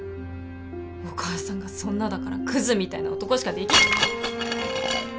お母さんがそんなだからくずみたいな男しかでき。